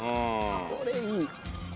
これいい。